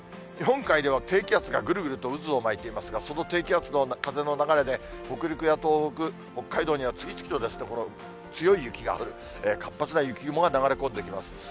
日本海では低気圧がぐるぐると渦を巻いていますが、その低気圧の風の流れで、北陸や東北、北海道には次々と、この強い雪が降る、活発な雪雲が流れ込んできます。